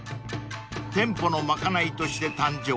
［店舗の賄いとして誕生］